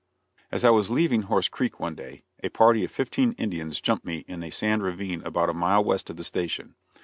As I was leaving Horse Creek one day, a party of fifteen Indians "jumped me" in a sand ravine about a mile west of the station.